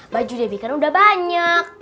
baju debi kan udah banyak